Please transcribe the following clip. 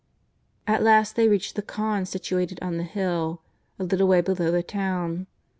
At last they reached the khan, situated on the hill, a little way below the town.